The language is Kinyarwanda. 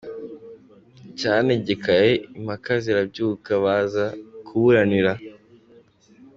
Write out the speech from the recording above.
icyanegekaye. Impaka zirabyuka baza kuburanira